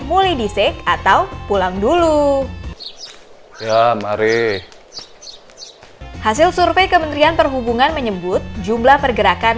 muly disik atau pulang dulu ya mari hasil survei kementerian perhubungan menyebut jumlah pergerakan